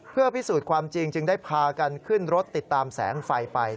เพื่อพิสูจน์ความจริงจึงได้พากันขึ้นรถติดตามแสงไฟไป